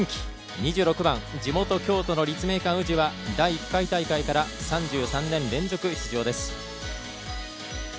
２６番地元・京都の立命館宇治は第１回大会から３３年連続出場です。